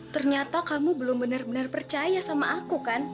ternyata kamu belum benar benar percaya sama aku kan